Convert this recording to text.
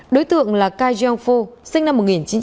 đối tượng là kai jiang fo sinh năm một nghìn chín trăm bảy mươi chín